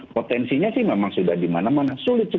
potensinya sih memang sudah dimana mana sulit